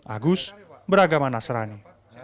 agus beragama nasrani